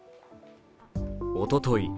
おととい